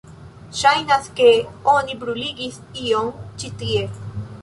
Ŝajnas ke oni bruligis ion ĉi tie.